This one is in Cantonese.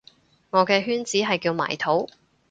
我嘅圈子係叫埋土